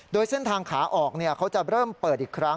โดยเส้นทางขาออกเขาจะเริ่มเปิดอีกครั้ง